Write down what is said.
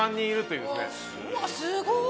うわあすごい！